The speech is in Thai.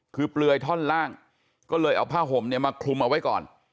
คือเปลือยท่อนล่างก็เลยเอาผ้าห่มเนี่ยมาคลุมเอาไว้ก่อน